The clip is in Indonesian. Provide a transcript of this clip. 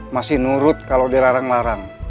masih nurut kalau dilarang larang